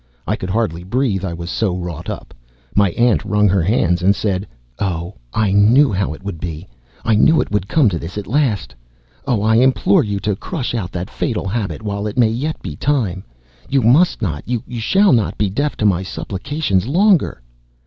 I could hardly breathe, I was so wrought up. My aunt wrung her hands, and said: "Oh, I knew how it would be; I knew it would come to this at last! Oh, I implore you to crush out that fatal habit while it may yet be time! You must not, you shall not be deaf to my supplications longer!"